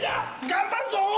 頑張るぞ！